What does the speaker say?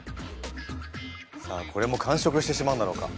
さあこれも完食してしまうんだろうか。